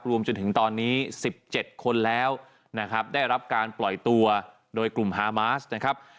รวมถึงตอนนี้๑๗คนแล้วนะครับได้รับการปล่อยตัวโดยกลุ่มฮามาสนะครับ